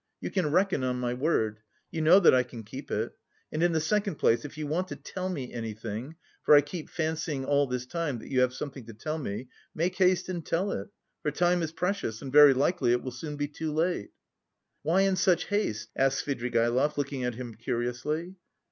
You can reckon on my word. You know that I can keep it. And in the second place if you want to tell me anything for I keep fancying all this time that you have something to tell me make haste and tell it, for time is precious and very likely it will soon be too late." "Why in such haste?" asked Svidrigaïlov, looking at him curiously.